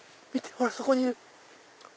ほらそこにいる。